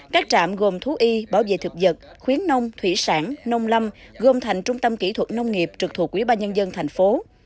các trạm gồm thú y bảo vệ thực vật khuyến nông thủy sản nông lâm gồm thành trung tâm kỹ thuật nông nghiệp trực thuộc quỹ ba nhân dân thành phố